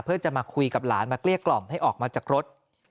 เพื่อจะมาคุยกับหลานมาเกลี้ยกล่อมให้ออกมาจากรถ